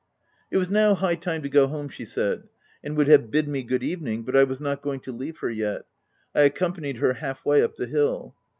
It was now high time to go home, she said, and would have bid me good evening; but I was not going to leave her yet : I accompanied her half way up the hill.